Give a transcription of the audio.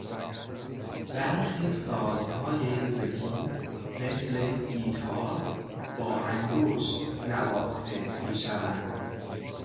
برخی سازهای زهی مثل گیتار با انگشت نواخته میشوند.